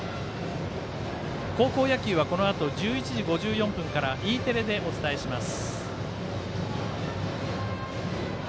高校野球はこのあと１１時５４分からＥテレでお伝えします。